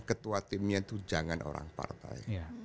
ketua timnya itu jangan orang partai